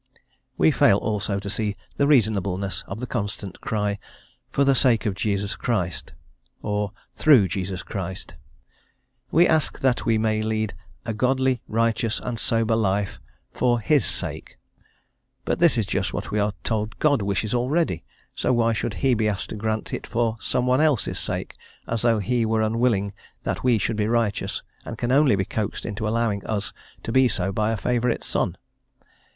We fail also to see the reasonableness of the constant cry, "for the sake of Jesus Christ," or "through Jesus Christ." We ask that we may lead "a godly, righteous, and sober life" for His sake; but this is just what we are told God wishes already, so why should He be asked to grant it for some one else's sake, as though He were unwilling that we should be righteous, and can only be coaxed into allowing us to be so by a favourite son?